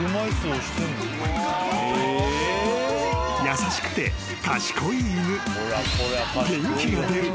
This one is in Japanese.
［優しくて賢い犬］